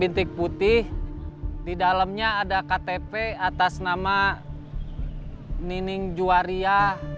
bintik putih di dalamnya ada ktp atas nama nining juwaria